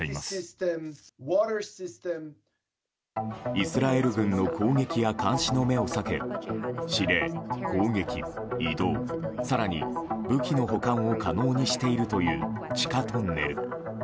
イスラエル軍の攻撃や監視の目を避け司令、攻撃、移動更に武器の保管を可能にしているという地下トンネル。